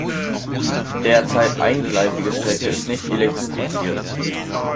Die derzeit eingleisige Strecke ist nicht elektrifiziert.